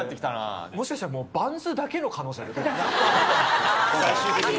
もしかしたらバンズだけの可能性あるよね。